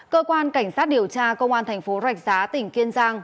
cơ quan cảnh sát điều tra công an thành phố rạch giá tỉnh kiên giang